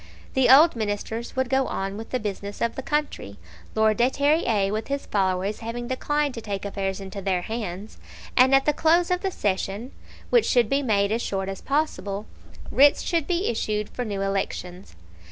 The old Ministers would go on with the business of the country, Lord de Terrier with his followers having declined to take affairs into their hands; and at the close of the session, which should be made as short as possible, writs should be issued for new elections.